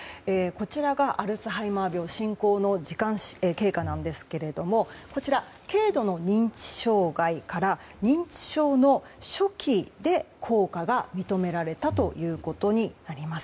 こちらがアルツハイマー病進行の時間経過なんですけれども軽度の認知障害から認知症の初期で効果が認められたということになります。